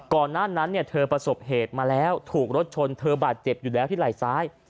ก่อนหน้านั้นเธอประสบเหตุมาแล้วถูกรถชนเธอบาดเจ็บอยู่แล้วที่ไหล่ซ้าย